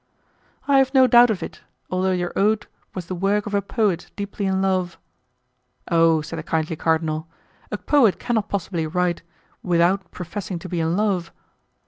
"I have no doubt of it, although your ode was the work of a poet deeply in love." "Oh!" said the kindly cardinal, "a poet cannot possibly write without professing to be in love."